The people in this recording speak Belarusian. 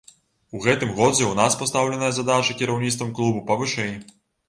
У гэтым годзе ў нас пастаўленая задача кіраўніцтвам клубу павышэй.